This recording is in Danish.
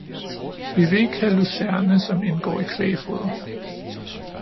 Vi ville ikke have lucerne, som indgår i kvægfoder.